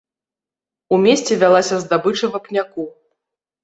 У месце вялася здабыча вапняку.